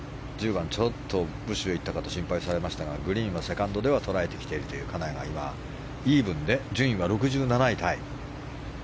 １０番、ちょっとブッシュへ行ったあと、心配されましたがグリーンはセカンドでは捉えてきているという金谷が今、イーブンで順位は６７位タイ。